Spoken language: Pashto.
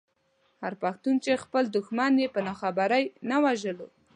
هغه پښتون چې خپل دښمن يې په ناخبرۍ نه وژلو.